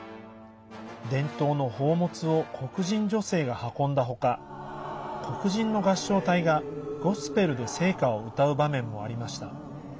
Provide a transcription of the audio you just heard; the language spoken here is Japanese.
伝統の宝物を黒人女性が運んだ他黒人の合唱隊が、ゴスペルで聖歌を歌う場面もありました。